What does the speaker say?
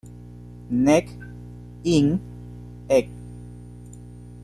Ned.-Ind., ed.